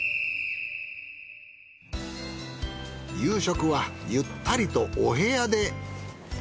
夕食はゆったりとお部屋で。